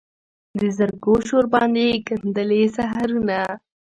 د زرکو شور باندې ګندلې سحرونه